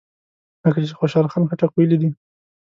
لکه چې خوشحال خټک ویلي دي.